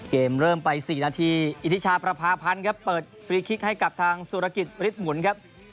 เกมเริ่มไป๔นาทีอิทธิชาประพาพันธ์ครับเปิดฟรีคลิกให้กับทางสุรกิจฤทธหมุนครับ